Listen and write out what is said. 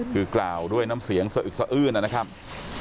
คือกล่าวด้วยน้ำเสียงสะอึกสะอื้นนะครับ